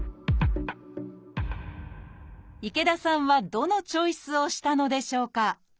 池田さんはどのチョイスをしたのでしょうか？